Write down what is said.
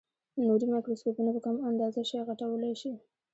نوري مایکروسکوپونه په کمه اندازه شی غټولای شي.